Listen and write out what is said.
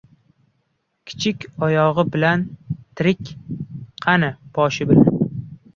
• Kichik oyog‘i bilan tirik, qari ― boshi bilan.